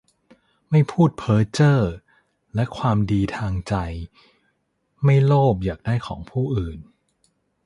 ไม่พูดเพ้อเจ้อ และความดีทางใจ ไม่โลภอยากได้ของผู้อื่น